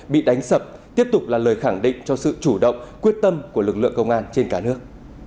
bị đánh sập tiếp tục là lời khẳng định cho sự chủ động quyết tâm của lực lượng công an trên cả nước